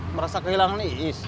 merasa kehilangan iis